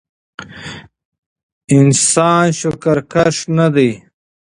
انسان شکرکښ نه دی